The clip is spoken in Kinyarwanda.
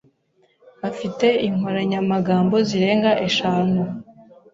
Afite inkoranyamagambo zirenga eshanu.